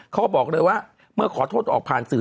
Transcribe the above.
เขาก็บอกเลยว่าเมื่อขอโทษออกผ่านสื่อ